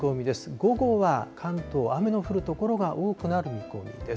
午後は、関東、雨の降る所が多くなる見込みです。